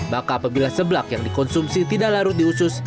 maka apabila seblak yang dikonsumsi tidak larut di usus